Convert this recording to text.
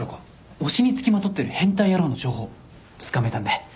推しに付きまとってる変態野郎の情報つかめたんで。